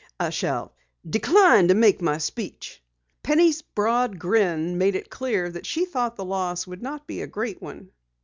"I shall decline to make my speech." Penny's broad grin made it clear that she thought the loss would not be a great one.